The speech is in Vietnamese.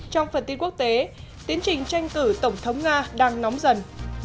trong phần tin quốc tế tiến trình tranh cử tổng thống nga đang nóng dần